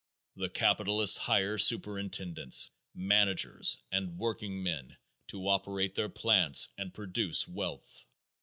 The capitalists hire superintendents, managers and workingmen to operate their plants and produce wealth.